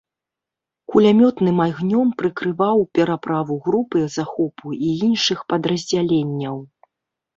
Кулямётным агнём прыкрываў пераправу групы захопу і іншых падраздзяленняў.